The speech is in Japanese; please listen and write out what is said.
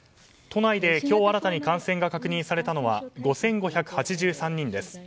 都内で今日新たに感染が確認されたのは５５８３人です。